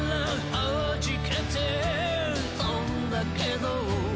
はじけてとんだけど